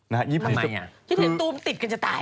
ทำไมน่ะคิดเหนือตูบติดกันจะตาย